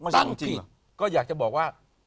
ตั้งผิดก็อยากจะบอกว่า